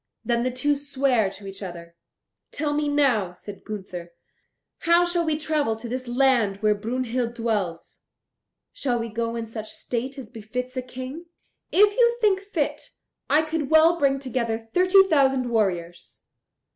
Then the two sware to each other. "Tell me now," said Gunther, "how shall we travel to this land where Brunhild dwells? Shall we go in such state as befits a King? If you think fit, I could well bring together thirty thousand warriors."